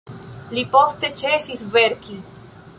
Li poste ĉesis verki.